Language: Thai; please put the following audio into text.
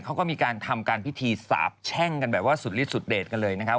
เขาก็มีการทำการพิธีสาบแช่งกันแบบว่าสุดฤทธสุดเด็ดกันเลยนะครับ